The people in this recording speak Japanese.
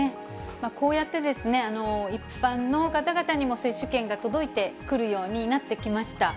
こうやって、一般の方々にも接種券が届いて来るようになってきました。